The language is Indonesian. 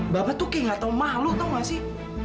bapak tuh kayak gak tau malu atau gak sih